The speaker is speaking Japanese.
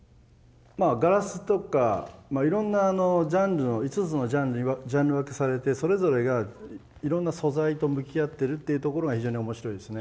ガラスとかいろんなジャンルの５つのジャンルにジャンル分けされてそれぞれがいろんな素材と向き合ってるっていうところが非常に面白いですね。